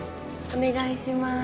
お願いします